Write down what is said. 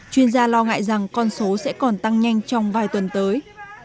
chuyên gia lo ngại rằng con số sẽ còn tăng nhanh trong vài tuần tới